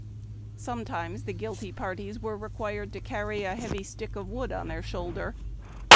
Some times the guilty parties were required to carry a heavy stick of wood on the shoulder.